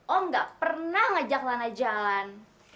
oh gak pernah ngajak lana jalan